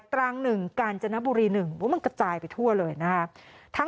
ตราง๑กาญจนบุรี๑มันกระจายไปทั่วเลยนะครับ